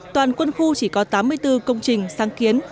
toàn quân khu chỉ có tám mươi bốn công trình sáng kiến